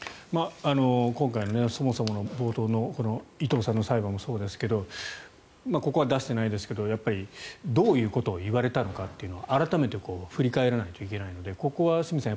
今回のそもそもの冒頭の伊藤さんの裁判もそうですがここは出してないですがどういうことを言われたのかは改めて振り返らないといけないのでここは清水さん